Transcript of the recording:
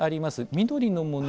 緑のもの。